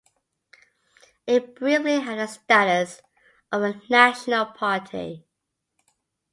It briefly had the status of a national party.